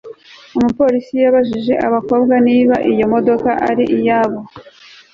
umupolisi yabajije abakobwa niba iyo modoka ari iyabo